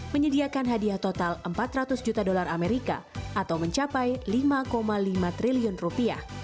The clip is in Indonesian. menyediakan hadiah total empat ratus juta dolar amerika atau mencapai lima lima triliun rupiah